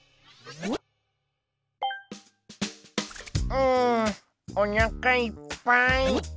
うんおなかいっぱい。